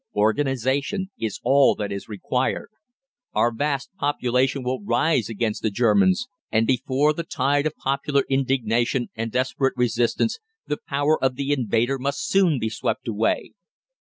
Organisation is all that is required. Our vast population will rise against the Germans, and before the tide of popular indignation and desperate resistance the power of the invader must soon be swept away.